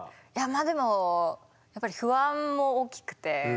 でもやっぱり不安も大きくて。